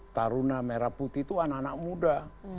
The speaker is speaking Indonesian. taruna merah putih itu anak anak muda